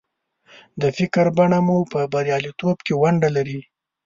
د فکر بڼه مو په برياليتوب کې ونډه لري.